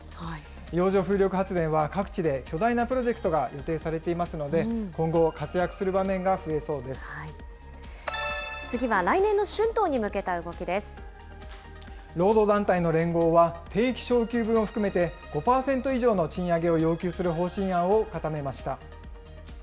洋上風力発電は各地で巨大なプロジェクトが予定されていますので、今後、活躍する場面が増えそうで次は来年の春闘に向けた動き労働団体の連合は、定期昇給分を含めて、５％以上の賃上げを要求する方針案を固めました。